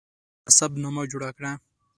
نسب نامه جوړه کړه.